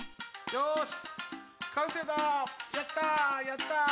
よし！